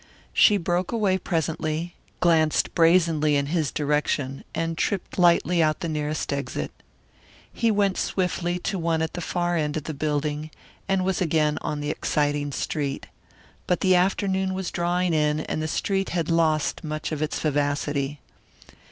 She broke away presently, glanced brazenly in his direction, and tripped lightly out the nearest exit. He went swiftly to one at the far end of the building, and was again in the exciting street. But the afternoon was drawing in and the street had lost much of its vivacity.